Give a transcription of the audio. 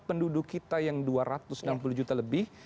penduduk kita yang dua ratus enam puluh juta lebih